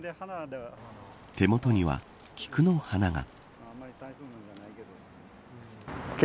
手元には菊の花が。